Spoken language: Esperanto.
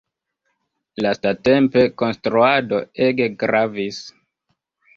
Lastatempe konstruado ege gravis.